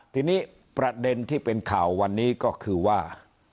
ทีนี้ประเด็นที่เป็นข่าววันนี้ก็คือว่า